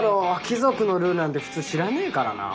貴族のルールなんて普通知らねえからな。